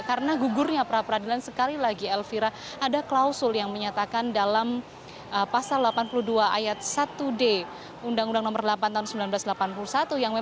karena gugurnya pra peradilan sekali lagi elvira ada klausul yang menyatakan dalam pasal delapan puluh dua ayat satu d undang undang nomor delapan tahun seribu sembilan ratus delapan puluh satu